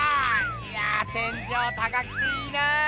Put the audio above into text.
いや天じょう高くていいなあ！